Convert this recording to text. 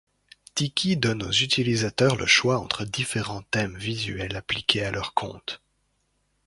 Tiki donne aux utilisateurs le choix entre différents thèmes visuels appliqués à leur compte.